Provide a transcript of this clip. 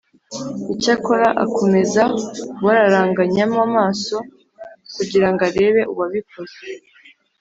Icyakora akomeza kubararanganyamo amaso kugira ngo arebe uwabikoze